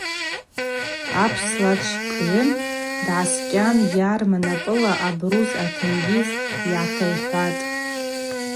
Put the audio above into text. Апслачвакӏгӏвы дгӏаскӏьан йарма напӏыла абрус атенгьыз йгӏатихӏвахтӏ.